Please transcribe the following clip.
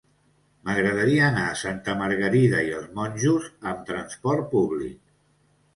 M'agradaria anar a Santa Margarida i els Monjos amb trasport públic.